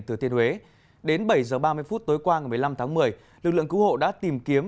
từ thiên huế đến bảy h ba mươi phút tối qua ngày một mươi năm tháng một mươi lực lượng cứu hộ đã tìm kiếm